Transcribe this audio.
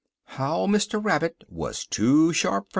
HOW MR. RABBIT WAS TOO SHARP FOR MR.